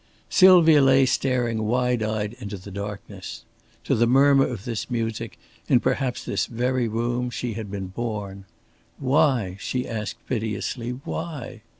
Sylvia lay staring wide eyed into the darkness. To the murmur of this music, in perhaps this very room, she had been born. "Why," she asked piteously, "why?"